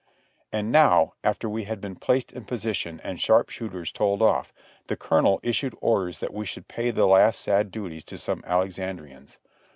And now after we had been placed in position and sharp shooters told off, the Colonel issued orders that we should pay the last sad duties to some Alexandrians.